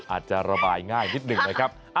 อาจจะระบายง่ายนิดหนึ่งนะครับ